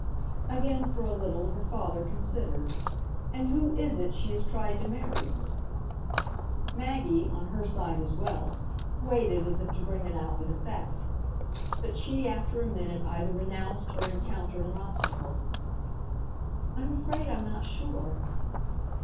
Again for a little her father considered. "And who is it she has tried to marry?" Maggie, on her side as well, waited as if to bring it out with effect; but she after a minute either renounced or encountered an obstacle. "I'm afraid I'm not sure."